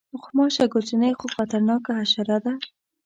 غوماشه کوچنۍ خو خطرناکه حشره ده.